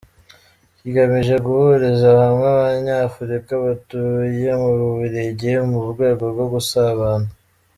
Kigamije guhuriza hamwe Abanya-Afurika batuye mu Bubiligi mu rwego rwo gusabana.